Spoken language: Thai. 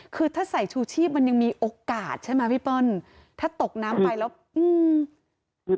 คือถ้าใส่ชูชีพมันยังมีโอกาสใช่ไหมพี่เปิ้ลถ้าตกน้ำไปแล้วอืม